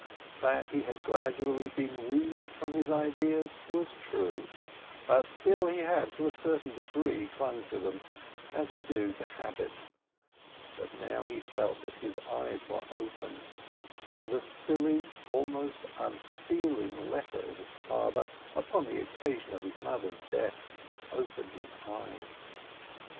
That he had gradually been weaned from his ideas was true, but still he had, to a certain degree, clung to them, as we do to a habit; but now he felt that his eyes were opened; the silly, almost unfeeling, letter of his father upon the occasion of his mother's death opened his eyes.